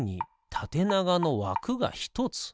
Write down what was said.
たてながのわくが１つ。